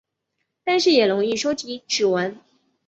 但是也很容易收集指纹。